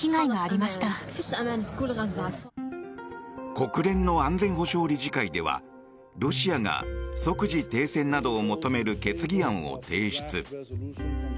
国連の安全保障理事会ではロシアが即時停戦などを求める決議案を提出。